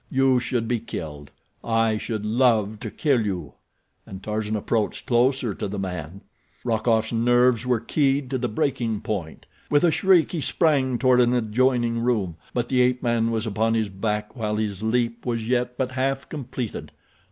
You should be killed. I should love to kill you," and Tarzan approached closer to the man. Rokoff's nerves were keyed to the breaking point. With a shriek he sprang toward an adjoining room, but the ape man was upon his back while his leap was yet but half completed.